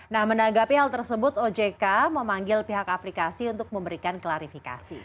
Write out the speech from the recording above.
nah menanggapi hal tersebut ojk memanggil pihak aplikasi untuk memberikan klarifikasi